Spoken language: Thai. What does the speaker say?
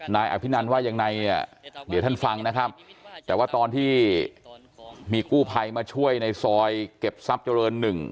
นายอัพนภินัลว่าอย่างนั้นไม่ท่านฟังนะครับแต่ว่าตอนที่มีกู้ไภมาช่วยในซอยเก็บทรัพย์จะเปิดหนึ่ง